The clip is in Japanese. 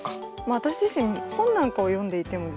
私自身本なんかを読んでいてもですね